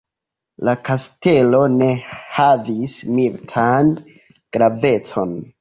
La kastelo ne havis militan gravecon.